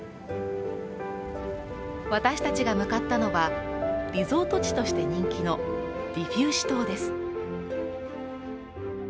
私たちが向かったのは、リゾート地として人気のディフューシ島です。